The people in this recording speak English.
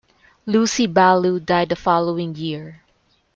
Lucy Ballou died the following year.